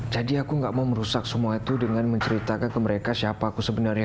jadi aku nggak mau merusak semua itu dengan menceritakan ke mereka siapa aku sebenarnya